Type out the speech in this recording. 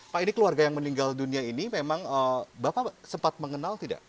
pak ini keluarga yang meninggal dunia ini memang bapak sempat mengenal tidak